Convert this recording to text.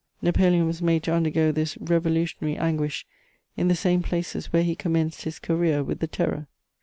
Napoleon was made to undergo this revolutionary anguish in the same places where he commenced his career with the Terror.